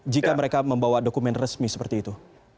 jika mereka membawa dokumen resmi seperti itu